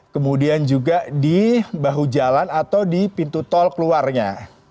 kemudian juga di bahu jalan atau di pintu tol keluarnya